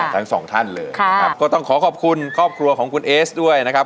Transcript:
ทั้งสองท่านเลยครับก็ต้องขอขอบคุณครอบครัวของคุณเอสด้วยนะครับ